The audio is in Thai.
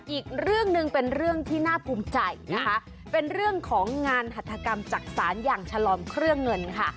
อีกเรื่องหนึ่งเป็นเรื่องที่น่าภูมิใจนะคะเป็นเรื่องของงานหัฐกรรมจักษานอย่างฉลอมเครื่องเงินค่ะ